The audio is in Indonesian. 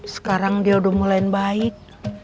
sekarang dia udah mulai baik